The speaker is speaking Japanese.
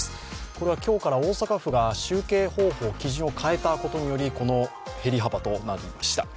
これは今日から大阪府が集計方法、基準を変えたことによりこの減り幅となりました。